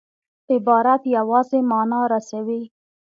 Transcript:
عبارت یوازي مانا رسوي.